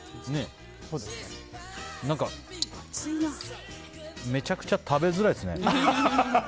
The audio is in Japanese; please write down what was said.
何かめちゃくちゃ食べづらいですね。